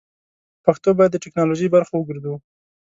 پښتو بايد د ټيکنالوژۍ برخه وګرځوو!